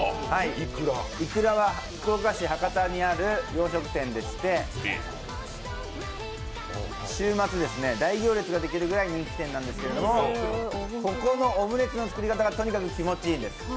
いくらは、福岡市博多にある洋食店でして週末、大行列ができるぐらい人気店なんですけど、ここのオムレツの作り方がとにかく気持ちいいんです。